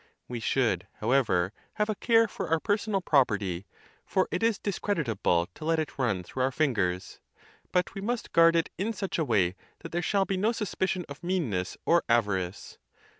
We should, however, have a care for our personal property, for it is dis creditable to let it run through our fingers ; but we must guard it in such a way that there shall be no suspicion of meanness or avarice.